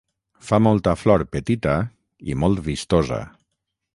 Fa molta flor petita i molt vistosa